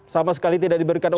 sama sekali tidak diberikan